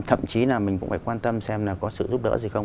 thậm chí là mình cũng phải quan tâm xem là có sự giúp đỡ gì không